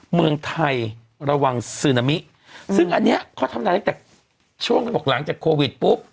เมืองไทยระวังซึนามิซึ่งอันนี้เขาทำงานตั้งแต่ช่วงที่บอกหลังจากโควิดปุ๊บ